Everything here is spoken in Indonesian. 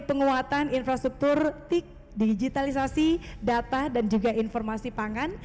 penguatan infrastruktur tik digitalisasi data dan juga informasi pangan